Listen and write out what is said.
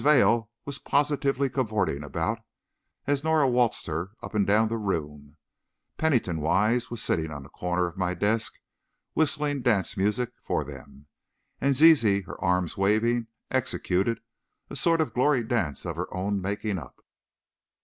Vail was positively cavorting about, as Norah waltzed her up and down the room; Pennington Wise was sitting on the corner of my desk whistling dance music for them, and Zizi, her arms waving, executed a sort of glory dance of her own making up.